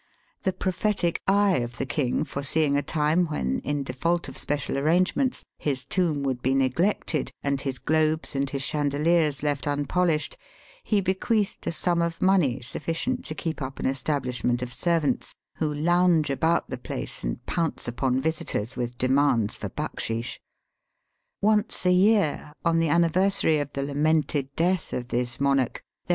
The prophetic eye of the king foreseeing a time when, in default of special arrangements, his tomb would be neglected, and his globes and his chandeliers left unpolished, he bequeathed a sum of money sufl&cient to keep up an establishment of servants, who lounge about the place and pounce upon visitors with demands for back sheesh. Once a year, on the anniversary of the lamented death of this monarch, there